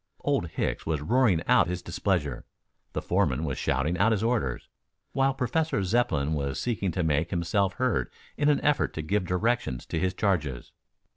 Old Hicks was roaring out his displeasure, the foreman was shouting out his orders, while Professor Zepplin was seeking to make himself heard in an effort to give directions to his charges.